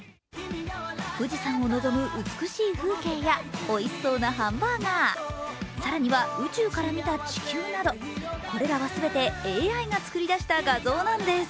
富士山を望む美しい風景やおいしそうなハンバーガー、更には宇宙から見た地球など、これらは全てＡＩが作り出した画像なんです。